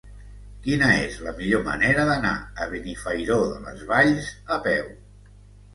Quina és la millor manera d'anar a Benifairó de les Valls a peu?